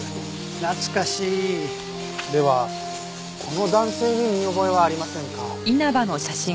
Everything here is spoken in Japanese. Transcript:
ではこの男性に見覚えはありませんか？